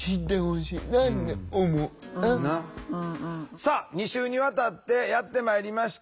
さあ２週にわたってやってまいりました。